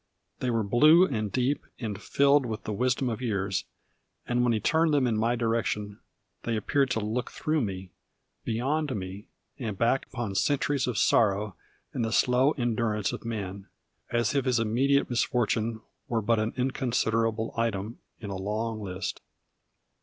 They were blue and deep, and filled with the wisdom of years; and when he turned them in my direction they appeared to look through me, beyond me, and back upon centuries of sorrow and the slow endurance of man, as if his immediate misfortune were but an inconsiderable item in a long list.